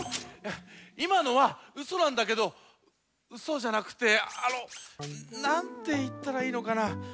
いまのはウソなんだけどウソじゃなくてあのなんていったらいいのかな。